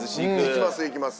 行きます行きます。